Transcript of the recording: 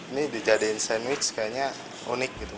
ini dijadikan sandwich kayaknya unik gitu